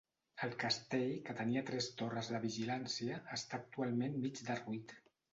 El castell, que tenia tres torres de vigilància, està actualment mig derruït.